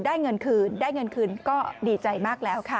เงินคืนได้เงินคืนก็ดีใจมากแล้วค่ะ